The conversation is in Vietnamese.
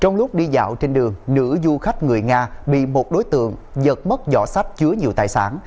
trong lúc đi dạo trên đường nữ du khách người nga bị một đối tượng giật mất giỏ sách chứa nhiều tài sản